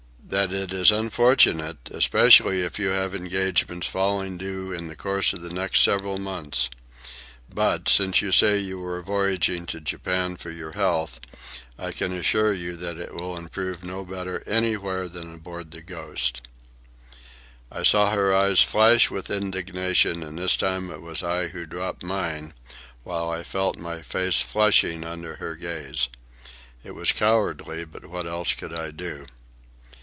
"That it is unfortunate, especially if you have any engagements falling due in the course of the next several months. But, since you say that you were voyaging to Japan for your health, I can assure you that it will improve no better anywhere than aboard the Ghost." I saw her eyes flash with indignation, and this time it was I who dropped mine, while I felt my face flushing under her gaze. It was cowardly, but what else could I do?